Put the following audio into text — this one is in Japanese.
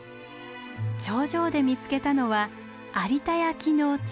頂上で見つけたのは有田焼の地図盤。